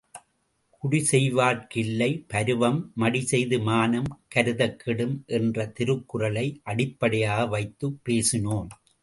குடிசெய்வார்க் கில்லை பருவம் மடிசெய்து மானம் கருதக் கெடும் என்ற திருக்குறளை அடிப்படையாக வைத்துப் பேசினோம்.